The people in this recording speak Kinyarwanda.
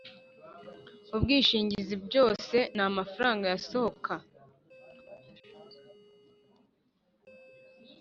Ubwishingizi byose n amafaranga yasohoka